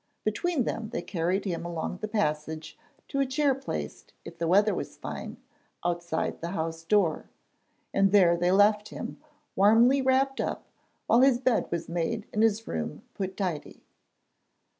Between them they carried him along the passage to a chair placed, if the weather was fine, outside the house door, and there they left him, warmly wrapped up, while his bed was made and his room put tidy.